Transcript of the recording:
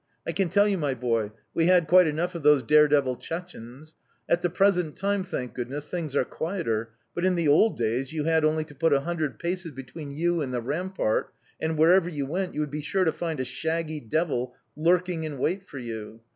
"I can tell you, my boy, we had quite enough of those dare devil Chechenes. At the present time, thank goodness, things are quieter; but in the old days you had only to put a hundred paces between you and the rampart and wherever you went you would be sure to find a shaggy devil lurking in wait for you.